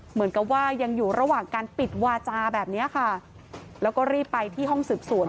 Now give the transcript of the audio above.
เหมือนกับว่ายังอยู่ระหว่างการปิดวาจาแบบนี้ค่ะแล้วก็รีบไปที่ห้องสืบสวน